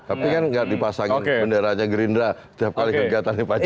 tapi kan nggak dipasangin benderanya gerindra setiap kali kegiatan di pak jokowi